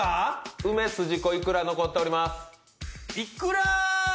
梅すじこいくら残っております。